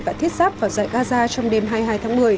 và thiết giáp vào giải gaza trong đêm hai mươi hai tháng một mươi